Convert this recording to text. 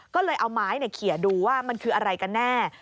ก็เลยเอาไม้เขียนดูว่ามันคืออะไรกันแน่